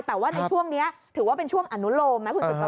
แต่ว่าในช่วงนี้ถือว่าเป็นช่วงอนุโลม